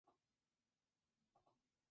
Mesocarpio medio.